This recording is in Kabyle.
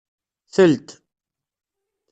Telt.